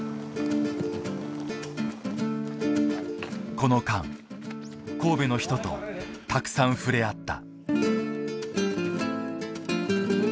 この間神戸の人とたくさん触れ合った。